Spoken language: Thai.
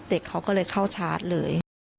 เด็กเขาก็เลยเข้าชาร์จเลย